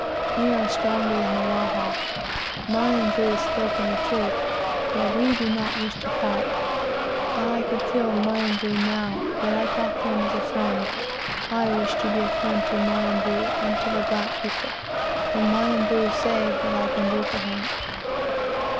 We are stronger than the Wahha. Mionvu has spoken the truth, yet we do not wish to fight. I could kill Mionvu now, yet I talk to him as to a friend. I wish to be a friend to Mionvu, and to all black people. Will Mionvu say what I can do for him?"